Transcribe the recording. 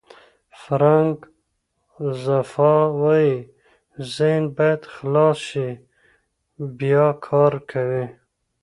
فرانک زفا وایي ذهن باید خلاص شي بیا کار کوي.